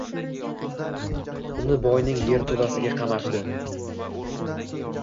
Uni boyning yerto‘lasiga qamashdi.